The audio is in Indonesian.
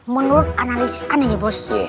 menurut analisis aneh ya bos